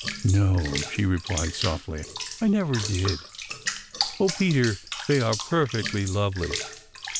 "No," she replied softly, "I never did. Oh, Peter, they are perfectly lovely!